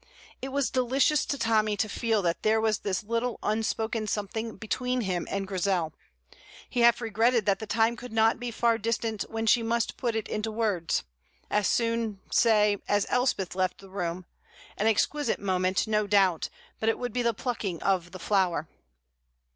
It was delicious to Tommy to feel that there was this little unspoken something between him and Grizel; he half regretted that the time could not be far distant when she must put it into words as soon, say, as Elspeth left the room; an exquisite moment, no doubt, but it would be the plucking of the flower.